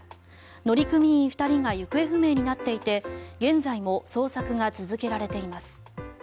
乗組員２人が行方不明になっていて現在も捜索が続けられています。